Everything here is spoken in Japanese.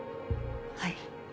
はい。